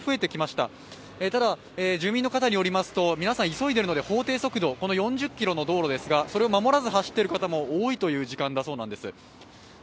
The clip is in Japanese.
ただ、住民の方によりますと皆さん、急いでいるので法定速度４０キロの道路ですが、それを守らず走っている方も多いという時間だそうです。